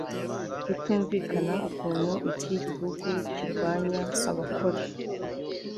bitumvikana ukuntu iki gihugu kirwanya abakora